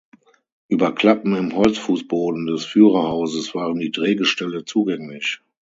Über Klappen im Holzfußboden des Führerhauses waren die Drehgestelle zugänglich.